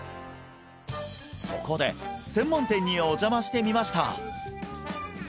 そこで専門店にお邪魔してみました